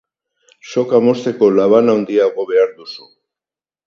Soka mozteko laban handiago beharko duzu.